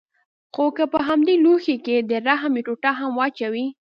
خو که په همدې لوښي کښې د رحم يوه ټوټه هم واچوې.